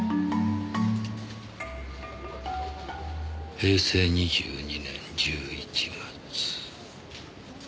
「平成２２年１１月」。